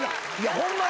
ホンマに。